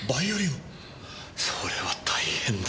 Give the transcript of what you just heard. それは大変だ。